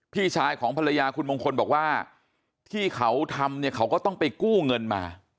พี่ชายของภรรยาคุณมงคลบอกว่าที่เขาทำเนี่ยเขาก็ต้องไปกู้เงินมา